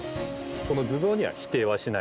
この図像には否定しない。